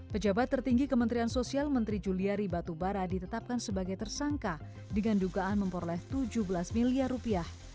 pejabat tertinggi kementerian sosial menteri juliari batubara ditetapkan sebagai tersangka dengan dugaan memperoleh tujuh belas miliar rupiah